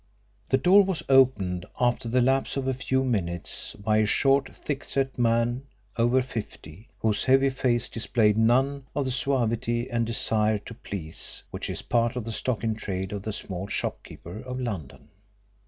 The door was opened after the lapse of a few minutes by a short thickset man of over fifty, whose heavy face displayed none of the suavity and desire to please which is part of the stock in trade of the small shopkeeper of London.